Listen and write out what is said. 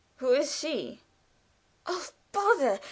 "Who is she?" "Oh, bother!